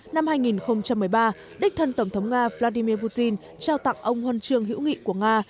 năm hai nghìn một mươi ba đích thân tổng thống nga vladimir putin trao tặng ông huân chương hữu nghị của nga